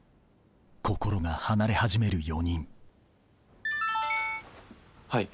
心が離れ始める４人はい。